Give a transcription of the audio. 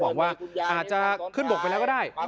บอกว่าอาจจะขึ้นบกไปแล้วก็ได้